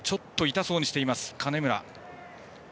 痛そうにしています、金村。